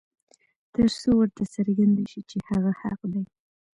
تر څو ورته څرګنده شي چې هغه حق دى.